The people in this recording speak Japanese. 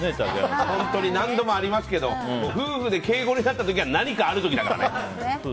本当に何度もありますけど夫婦で敬語になった時は何かある時だからね。